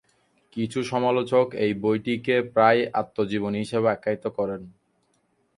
কিছু সমালোচক এ বইটিকে প্রায়-আত্মজীবনী হিসেবে আখ্যায়িত করেন।